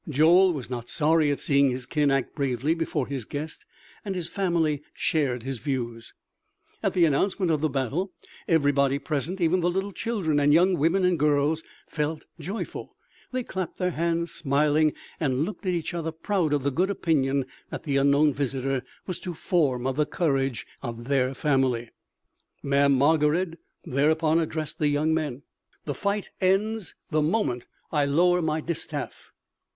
Joel was not sorry at seeing his kin act bravely before his guest; and his family shared his views. At the announcement of the battle, everybody present, even the little children and young women and girls felt joyful; they clapped their hands smiling and looked at each other proud of the good opinion that the unknown visitor was to form of the courage of their family. Mamm' Margarid thereupon addressed the young men: "The fight ends the moment I lower my distaff."